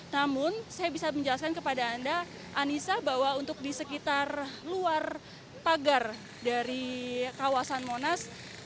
namun saya bisa menjelaskan kepada anda anissa bahwa untuk di sekitar luar pagar dari kawasan monas